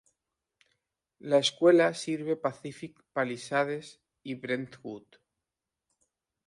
La escuela sirve Pacific Palisades y Brentwood.